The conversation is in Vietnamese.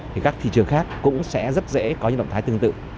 thì các thị trường khác cũng sẽ rất dễ có những động thái tương tự